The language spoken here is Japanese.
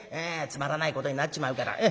つまらないことになっちまうから。